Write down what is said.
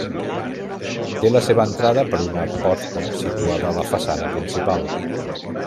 Té la seva entrada per una porta situada a la façana principal.